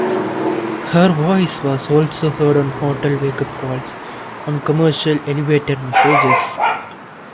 Her voice was also heard on hotel wake up calls and commercial elevator messages.